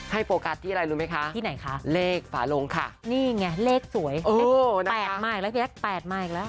ให้โปรการ์ดที่อะไรรู้ไหมคะเลขฝาลงค่ะนี่ไงเลขสวยแปดมาอีกแล้วพี่แปดมาอีกแล้ว